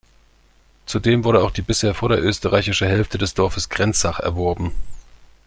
Zudem wurde auch die bisher vorderösterreichische Hälfte des Dorfes Grenzach erworben.